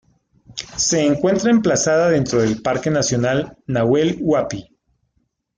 Se encuentra emplazada dentro del Parque Nacional Nahuel Huapi.